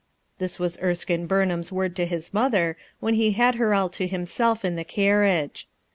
Tins was Erskino Burnham's word to his mother when ho had her all to himself in the carriage.